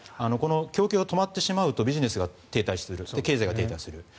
供給が止まってしまうとビジネスが停滞するで、経済が停滞する。